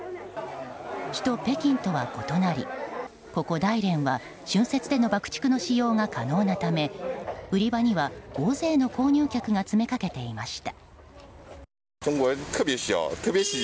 首都・北京とは異なりここ大連は春節での爆竹の使用が可能なため売り場には大勢の購入客が詰めかけていました。